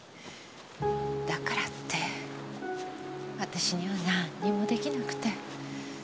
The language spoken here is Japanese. だからって私にはなんにも出来なくて。